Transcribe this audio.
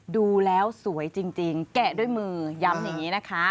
ดูแล้วสวยจริงแกะด้วยมือย้ำอย่างนี้นะคะ